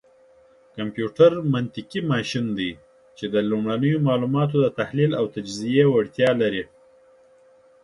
کمپيوټر منطقي ماشين دی، چې د لومړنيو معلوماتو دتحليل او تجزيې وړتيا لري.